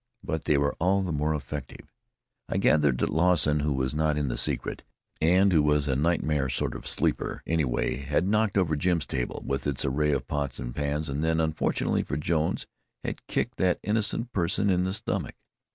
But they were all the more effective. I gathered that Lawson, who was not in the secret, and who was a nightmare sort of sleeper anyway, had knocked over Jim's table, with its array of pots and pans and then, unfortunately for Jones had kicked that innocent person in the stomach.